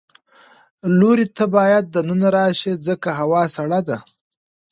لورې ته باید د ننه راشې ځکه هوا سړه ده.